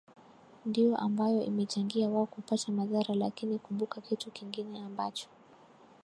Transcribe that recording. ndio ambayo imechangia wao kupata madhara lakini kumbuka kitu kingine ambacho